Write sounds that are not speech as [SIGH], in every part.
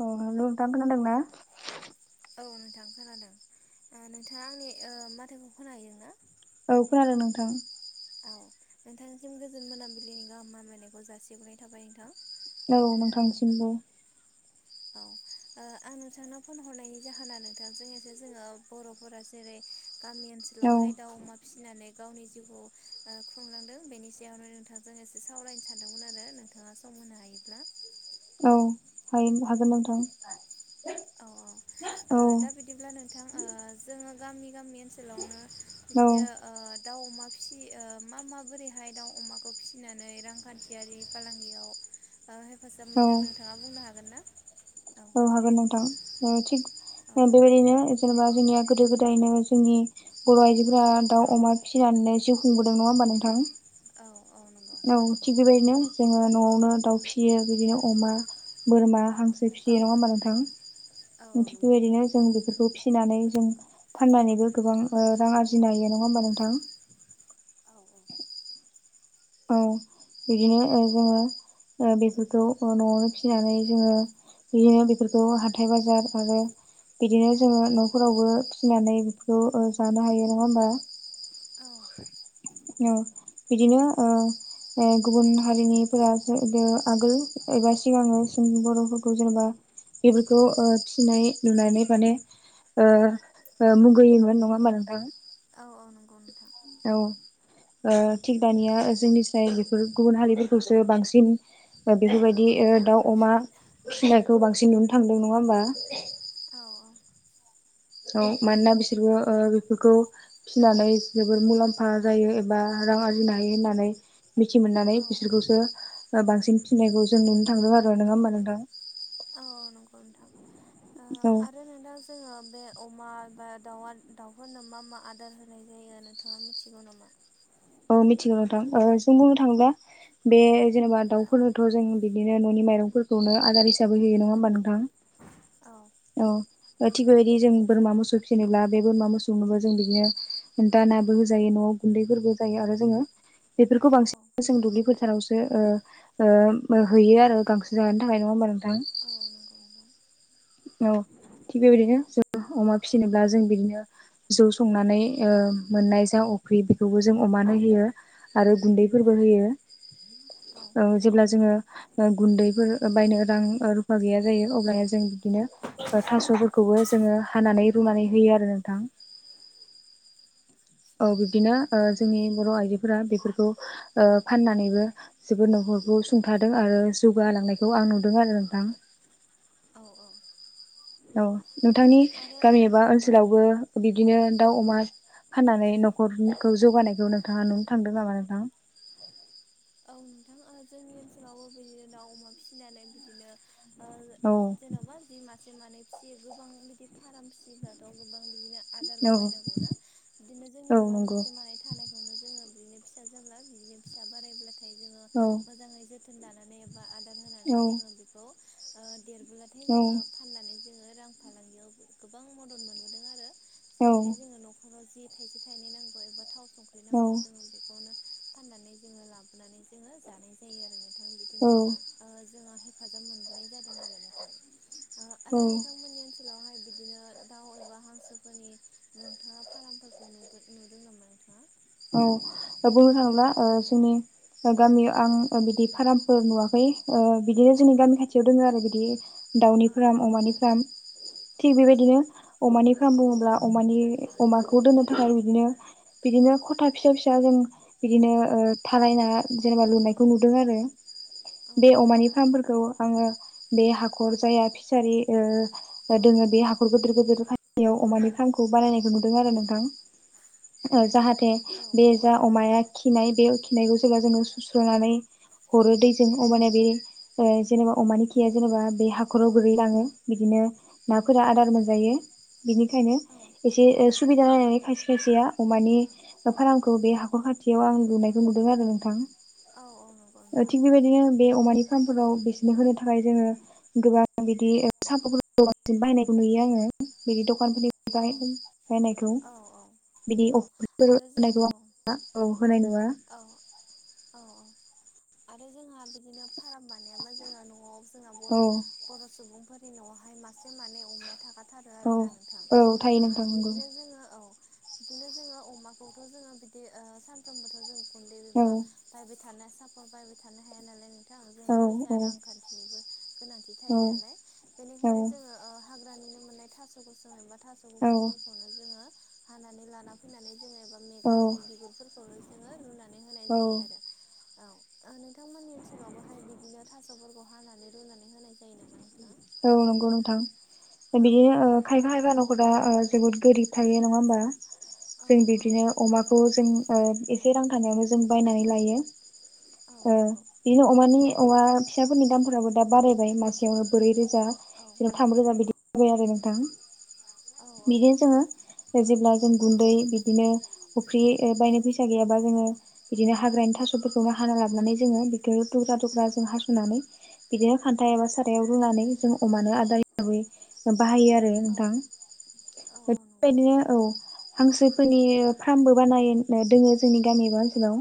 अ हेल' नोंथां खोनादोंना। औ नोंथां खोनादों नोंथाङा आंनि ओ माथोखौ खोनाहैदों ना? औ खोनादों नोंथां औ नोंथांनिसिम गोजोन मोनाबिलिनि गाहामलायनायखौ जासिह्रनाय थाबाय नोंथां। औ नोंथांसिमबो औ आं नोंथांनाव फन हरनायनि जाहोना नोंथांजों एसे जोङो बर'फोरा जेरै गामि औ ओनसोलावहाय दाउ अमा फिसिनानै गावनि जिउखौ खुंलांदों बेनि सायावनो नोंथांजों एसे सावरायनो सानदोंमोन आरो नोंथाङा सम होनो हायोब्ला। औ हायो हागोन नोंथां। औ औ औ ओ दा बिदिब्ला नोंथां ओ जोङो गामि गामि ओनसोलावनो। औ बिदिनो ओ। दाउ अमा फिसियो मा माबोरैहाय दाउ अमाखौ फिसिनानै रांखान्थियारि फालांगियाव। हेफाजाब औ मोनदों नोंथाङा बुंनो हागोन ना? औ हागोन नोंथां थिग औ बेबायदिनो जेनेबा जोंनिया गोदो गोदायनो जोंनि बर आइजो ग्रा दाउ अमा औ फिसिनानै जिउ खुंबोदों नङा होमबा नोंथां। औ औ नंगौ औ थिग बेबायदिनो जोङो न'आवनो दाउ फिसियो बिदिनो अमा बोरमा हांसो औ फियो नङा होनबा औ नोंथां थिग नंगौ बेबायदिनो जों बे बेखौ फिसिनानै जों फाननानैबो गोबां रां आरजिनो हायो नङा होमबा नोंथां। औ औ बिदिनो जोङो। ओ बेफोरखौ न'आवनो फिसिनानै जोङो बिदिनो बेफोरखौ हाथाय बाजार आरो। बिदिनो जोङो न'फोरावबो फिनानै बेफोरखौ जानो हायो नङा होमबा। औ औ बिदिनो ओ ओ गुबुन हारिनिफोरा जे दो आगोल एबा सिगाङो जों बर'फोरखौ जेनेबा बेफोरखौ ओ फिसिनाय नुनानै माने ओ ओ मुगैयोमोन नङा होमा नोंथां। औ नंगौ नोंथां औ ओ थिग दानिया जोंनि साय बेफोर गुबुन हारिफोरखौसो बांसिन बेफोरबायदि दाउ अमा फिनायखौ बांसिन नुनो थांदों नङा होमबा। औ औ औ मानोना बिसोरबो औ ओ बेफोरखौ फिनानै जोबोर मुलाम्फा जायो एबा रां आरजिनो हायो होनानै मिथि मोननानै औ बिसोरखौसो बांसिन थिनायखौ जों नुनो थांदों आरो नङा होमबा नोंथां। औ औ नंगौ नोंथां ओ औ आरो नोंथां जोङो बे अमा बा दाउआ दाउफोरनो मा मा आदार होनाय जायो नोंथाङा मिथिगौ नामा? मिथिगौ नोंथां ओ जों बुंनो थाङोब्ला बे जेनेबा औ दाउफोरनोथ' जों बिदिनो न'नि माइरंफोरखौनो आदार हिसाबै होयो नङा होमबा नोंथां औ औ थिग बेबायदि जों बोरमा मोसौ फिसिनोब्ला बे बोरमा मोसौनोबो जों बिदिनो दा नाबो होजायो न'आव गुन्दैफोरबो जायो आरो जोङो। बेफोरखौ औ बांसिन जों दुब्लि फोथारावसो ओ ओ हैयो आरो गांसो जानो थाखाय नङा होमबा नोंथां [UNINTELLIGIBLE] औ थिग बेबायदिनो जों अमा फिसिनोब्ला जों बिदिनो जौ संनानै ओ मोननाय जा अफ्रि बेखौबो जों अमानो होयो आरो गुन्दैफोरबो होयो। औ। औ जेब्ला जोङो गुन्दैफोर बायनो रां रुफा गैया जायो। अब्ला जों दिनो थास'फोरखौबो जोङो हानानै रुनानै होयो आरो नोंथां औ बिब्दिनो जोंनि बर' आइजोफोरा बेफोरखौ ओ फाननानैबो जोबद नुहर खौ सुंथादों आरो जौगालांनायखौ आं नुदों आरो नोंथां। [UNINTELLIGIBLE] अ औ। औ औ नोंथांनि आरो गामि एबा औ ओनसोलावबो बिदिनो दाउ अमा फाननानै न'खरखौ जौगानायखौ नोंथाङा नुनो थांदों नामा नोंथां औ नोंथां जोंनि ओनसोलावबो बिदिनो दाउ अमा फिसिनानै बिदिनो ओ औ जेन'बा जि मा मासे मानै फिसियो गोबां बिदि फाराम फिसियोब्लाथ' गोबां बिदिनो आदार औ लुबायनांगौनो बिदिनो औ जोंनि न'आव नंगौ मासे मानै थानायखौनो जोङो बिनो फिसा जाब्ला बिदिनो फिसा बारायब्लाथाय जोङो औ मोजाङै जोथोन लानानै एबा आदार होनानै जोङो बेखौ ओ देरबोलाथाय औ जोङो फाननानै जोङो रां फालांगियाव गोबां मदद मोनबोदों आरो औ जेरैहाय जोङो न'खराव जि थाइसे थाइनै नांगौ एबा थाव संख्रि नांगौ औ जोङो बेखौनो फाननानै जोङो लाबोनानै जोङो जानाय जायो आरो नोंथां औ बिदिनो ओ जोंहा हे फाजाब मोनबोनाय जादों ओ आरो नोंथां औ आरो नोंथांमोननि ओनसोलावहाय बिदिनो दाउ एबा हांसोफोरनि नोंथाङा फारामफोरखौ नुबो नुदों नामा नोंथाङा औ [UNINTELLIGIBLE] जुनि गामियाव आं बिदि फारामफोर नुवाखै ओ बिदिनो जोंनि गामि खाथियाव दङ आरो बिदि दाउनि फ्राम अमानि फ्राम [UNINTELLIGIBLE] थिग बेबायदिनो अमानि फार्म बुङोब्ला अमानि अमाखौ दोननो थाखाय बिदिनो बिदिनो था फिसा फिसा जों बिदिनो थालायना जेनेबा लुनायखौ नुदों आरो बे अमानि फार्मफोरखौ आङो बे हाखर जाया फिसारि औ नंगौ औ दङ बे हाखर गिदिर गिदिर खानियाव अमानि फार्खौ बानायनायखौ नुदों आरो नोंथां ओ जाहाथे औ बे जा अमाया खिनाय बे खिनायखौ जेब्ला जोङो सुस्रोननानै हरो दैजों हबाना बे जेनेबा अमानि खैया जेनेबा बे हाखराव गोोरै लाङो बिदिनो नाफोरा आदार मोनजायो बिनिखायनो औ एसे सुबिदा नायनानै खायसे खायसेया अमानि फारामखौ बे हाखर खाथियाव आं लुनायखौ नुदों आरो नोंथां औ औ नंगौ नोंथां थिग बेबायदिनो बे अमानि सामफोराव बिसनो होनो थाखाय जोङो गोबां बिदि साफाफोरखौ बांसिन बायनायखौ नुयो आङो बिदि औ दखानफोरनिफ्राय रायनायखौ औ औ बिदि औ अफार आरो जो औ होन औ होनाय नङा औ औ आरो जोंहा बिदिनो फार्म बानायाबा जोंहा न'आव जोंना औ बर' बर' सुबुंफोरनि न'आवहाय मासे मानै अमाया थाखाथारो औ आरोना नोंथां औ थायो ओ नोंथां नंगौ बिदिनो जोङो औ बिदिनो जोङो अमाखौथ' जोङो बिदि सानफ्रोमबोथ' जों गुन्दै औ बिबा बायबाय थानो सापर्ट बायबाय थानो हाया नालायों थां जोंना औ फैसा औ रांखान्थिनिबो गोनांथि थायो नालाय बेनिखायनो जोङो हाग्रानिनो मोननाय थास' गोसोम एबा थास' औ गुफुरफोरखौनो जोङो हानानै लाना फैनानै जोङोबा औ मैगं बिगुरफोरखौनो जोङो रुनानै होनाय औ जायो आरो बिथांमोननि ओनसोलावबोहाय बिदिनो थास'फोरखौ हानानै रुनानै होनाय जायो नामा नोंथाङा? औ नंगौ नोंथां औ बिदिनो खायफा खायफा नंगौ दा जोबोद गोरिब थायो नङा होमबा औ जों औ बिदिनो अमाखौ जों एसे रां थानायावनो जों बायनानै लायो औ नंगौ बिदिनो अमानि अमा फिसाफोरनि दामफोराबो दा बारायबाय मासेयावनो ब्रै रोजा औ जा थाम रोजा बिदि होबाय आरो नोंथां औ बिदिनो जोङो जेब्ला जों औ गुन्दै बिदिनो अफ्रि बायनो फैसा फिसा गैयाबा जोङो बिदिनो हाग्रानि थास'फोरखौनो हाना लाबोनानै जोङो बेखौ दुग्रा दुग्रा जों हास'नानै बिदिनो खान्था औ एबा सारायाव रुनानै जों अमानो आदार हिसाबै बाहायो आरो औ औ नोंथां औ नंगौ बेफोरबादिनो औ हांसोफोरनि फार्मबो बानायनो दोङो जोंनि गामि बा ओनसोलाव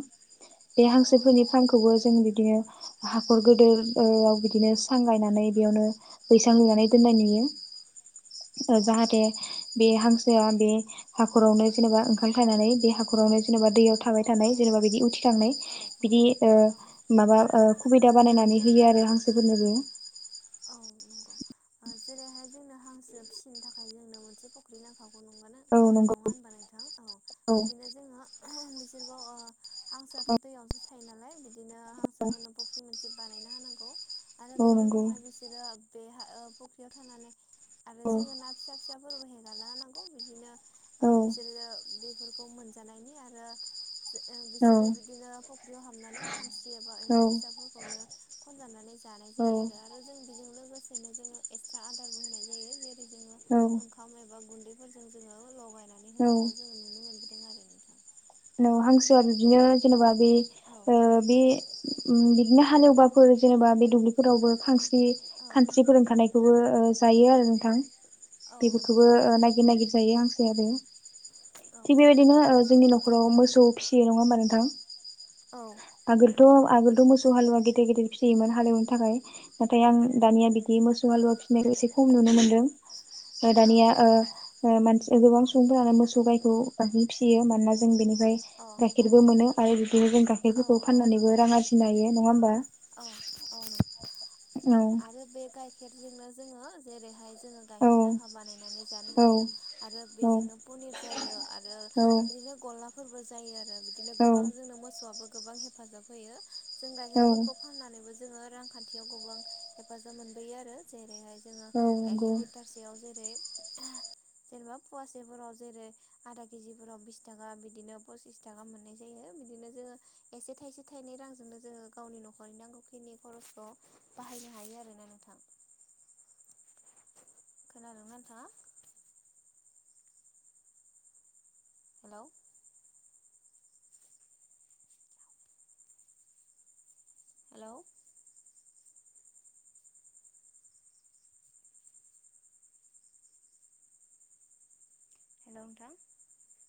बे औ हांसोफोरनि फार्मखौबो जों बिदिनो हाखर गोदोर बिदिनो सांग्रायनानै नानै बेयावनो बैसां नुनानै दोननाय नुयो औ जाहाथे नंगौ बे हांसोआ बे हाखरावनो जेनेबा ओंखाम थनानै बे हाखर खरावनो जेनेबा दैयाव थाबाय औ थानाय जेनेबा बिदि उथिलांनाय औ औ बिदि औ ओ मा सुबिदा बानायनानै होयो आरो हांसोफोरनोबो औ नंगौ जेरैहाय जोंनो हांसो फिसिनो थाखाय जोंनो मोनसे फख्रि नांखाब [UNINTELLIGIBLE] नङा औ नंगौ होनबा नोंथां औ औ बिदिनो जोङो [UNINTELLIGIBLE] औ नंगौ [INAUDIBLE] औ [INAUDIBLE] औ [INAUDIBLE] औ [INAUDIBLE] [INAUDIBLE] [UNINTELLIGIBLE] औ [INAUDIBLE] औ जोङो [INAUDIBLE] ओं हांसोआ बिदिनो जेनेबा बे औ ओ बे उम बिदिनो हालेवबाफोर जेनेबा बे दुब्लिफोरावबो खानस्रि औ खानस्रिफोर ओंखारनाय बेखौबो जायो आरो नोंथां औ बेफोरखौबो नंगौ नायगिर नागिर जायो हांसोआ आरो औ थिग बेबायदिनो ओ जोंनि न'खराव मोसौ फिसियो नङा होमबा नोंथां औ आगोलथ' आगोलथ' मोसौ हालुवा गिदिर गिदिर फिसियोमोन हालेवनो थाखाय नाथाय आं औ दानिया बिदि मोसौ हालुवा फिसिनायखौ एसे खम नुनो मोनदों औ दानिया ओ मानसि गोबां सुबुंफोरानो मोसौ गाइखौ बांसिन फिसियो मानोना जों बेनिफ्राय गाइखेरबो मोनो आरो बिदिनो जों औ गाखेरफोरखौ औ फाननानैबो रां आरजिनाय हायो नङा होमबा औ औ नंगौ औ आरो बे गाइखेरजोंनो जोङो जेरैहाय जोङो औ गाइखेर दाखा बानायनानै जानो औ हायो आरो औ बेजोंनो पनिर जायो आरो औ बिदिनो गला फोरबो जायो आरो बिदिनो औ गोबां जोंनो मोसौआबो गोबां हेफाजाब होयो जों औ गाइखेरफोरखौ बो जोङो रांखान्थियाव गोबां हेफाजाब मोनबोयो आरो जेरैहाय जोङो औ नंगौ गाइखेर लिटारसेयाव जेरै जेनेबा फवासेफोराव जेरै आदा केजिफोराव बिस थाखा बिदिनो पसिस थाखा मोननाय जायो [INAUDIBLE] [INAUDIBLE] [INAUDIBLE] हेलौ हेलौ [INAUDIBLE]